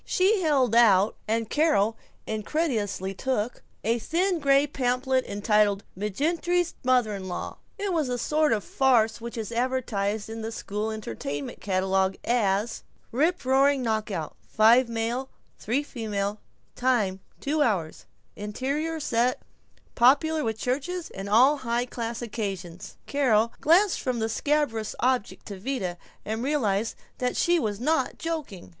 She held out, and Carol incredulously took, a thin gray pamphlet entitled "McGinerty's Mother in law." It was the sort of farce which is advertised in "school entertainment" catalogues as: Riproaring knock out, 5 m. 3 f., time 2 hrs., interior set, popular with churches and all high class occasions. Carol glanced from the scabrous object to Vida, and realized that she was not joking.